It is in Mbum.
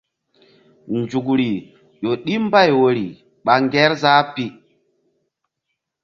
Nzukri ƴo ɗi mbay woyri ɓa Ŋgerzah pi.